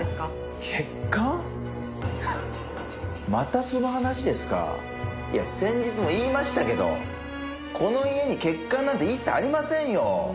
ハハッまたその話ですかいや先日も言いましたけどこの家に欠陥なんて一切ありませんよ